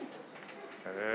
へえ。